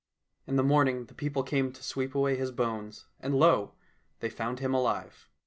In the morning the people came to sweep away his bones, and lo ! they found him alive.